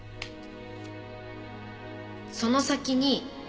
「その先に」。